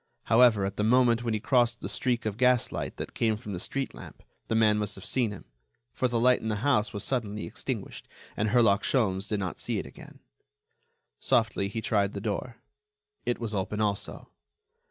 However, at the moment when he crossed the streak of gaslight that came from the street lamp, the man must have seen him, for the light in the house was suddenly extinguished and Herlock Sholmes did not see it again. Softly, he tried the door. It was open, also.